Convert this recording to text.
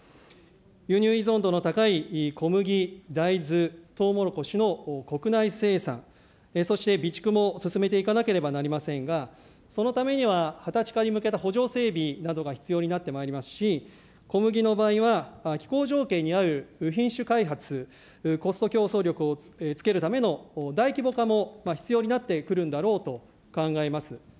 輸入依存度の高い小麦、大豆、とうもろこしの国内生産、そして、備蓄も進めていかなければなりませんが、そのためには畑地化に向けた補助整備などが必要になってまいりますし、小麦の場合は、気候条件に合う品種開発、コスト競争力をつけるための大規模化も必要になってくるんだろうと考えます。